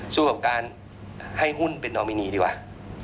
สู้กับการให้หุ้นเป็นนอมินีดีกว่า